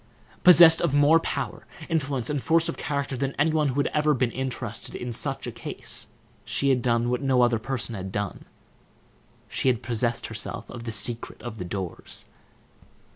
Possessed of more power, influence, and force of character than any one who had ever before been interested in such a case, she had done what no other person had done, she had possessed herself of the secret of the doors.